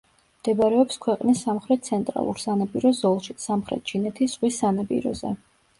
მდებარეობს ქვეყნის სამხრეთ-ცენტრალურ სანაპირო ზოლში, სამხრეთ ჩინეთის ზღვის სანაპიროზე.